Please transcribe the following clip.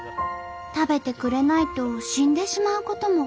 食べてくれないと死んでしまうことも。